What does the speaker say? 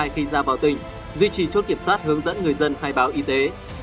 khi ra báo tình duy trì chốt kiểm soát hướng dẫn người dân khai báo y tế